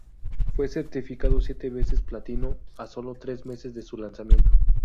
Fue certificado siete veces platino a solo tres meses de su lanzamiento.